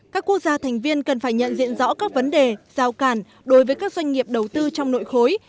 các quốc gia thành viên cần phải nhận diện rõ các vấn đề giao cản đối với các doanh nghiệp đầu tư trong nội khối